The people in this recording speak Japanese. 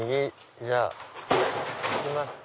じゃあ行きますか。